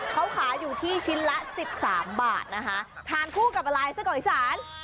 เขาขายอยู่ที่ชิ้นละ๑๓บาทนะคะทานคู่กับอะไรไส้กรอกอีสาน